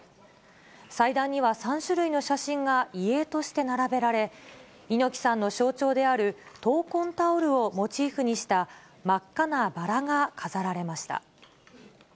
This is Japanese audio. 祭壇には３種類の写真が、遺影として並べられ、猪木さんの象徴である闘魂タオルをモチーフにした真っ赤なバラが飾られました。